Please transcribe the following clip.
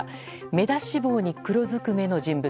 目出し帽に黒ずくめの人物。